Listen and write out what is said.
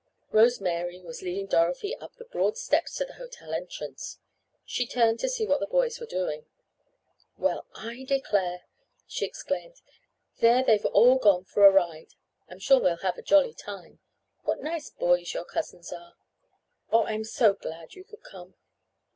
Rose Mary was leading Dorothy up the broad steps to the hotel entrance. She turned to see what the boys were doing. "Well I declare!" she exclaimed. "There they've all gone for a ride! I'm sure they'll have a jolly time. What nice boys your cousins are. Oh, I'm so glad you could come!"